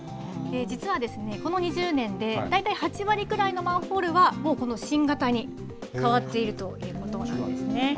実はですね、この２０年でだいたい８割くらいのマンホールはこの新型に変わっているということなんですね。